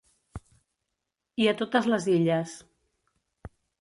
I a totes les Illes.